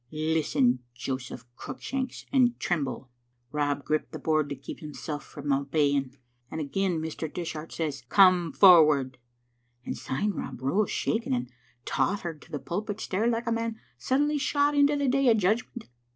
Lis ten, Joseph Cruickshanks, and tremble. Rob gripped the board to keep himsel' frae obeying, and again Mr. Dishart says, *Come forward,' and syne Rob rose shak ing, and tottered to the pulpit stair like a man suddenly shot into the Day of Judgment.